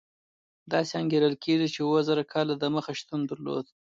داسې انګېرل کېږي چې اوه زره کاله دمخه شتون درلود.